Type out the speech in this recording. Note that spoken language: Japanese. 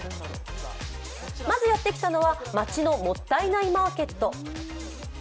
まず、やってきたのはまちのもったいないマーケット。